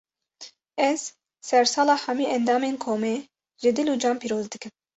Ez, sersala hemî endamên komê, ji dil û can pîroz dikim